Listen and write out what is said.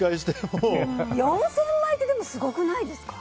４０００枚ってすごくないですか？